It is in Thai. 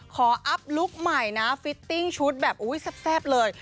ขออัพลุกใหม่นะชุดแบบอุ้ยแซ่บแซ่บเลย